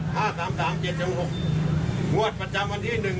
สามสามเจ็ดยังหกงวดประจำวันที่หนึ่ง